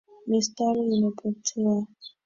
Mistari imepotea